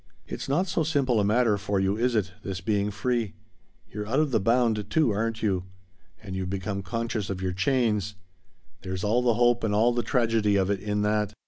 "It's not so simple a matter for you, is it this 'being free'? You're of the bound, too, aren't you? And you've become conscious of your chains. There's all the hope and all the tragedy of it in that."